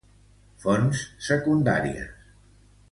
Fonts secundàries